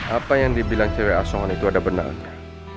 apa yang dibilang cewek asungan itu ada benaannya